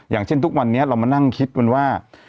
อย่างเช่นทุกวันนี้เรามานั่งคิดมันว่า